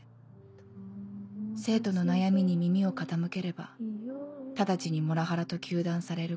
友達でいよう生徒の悩みに耳を傾ければ直ちにモラハラと糾弾される